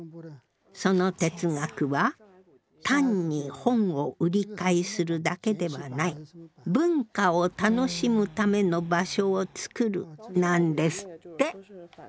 その哲学は「単に本を売り買いするだけではない文化を楽しむための場所を作る」なんですって。